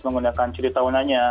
menggunakan curi tahunannya